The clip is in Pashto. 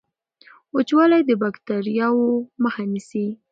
وچوالی د باکټریاوو مخه نیسي.